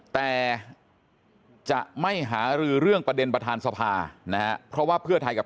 แต่จะไม่หารือเรื่องประเด็นประธานสภานะฮะเพราะว่าเพื่อไทยกับ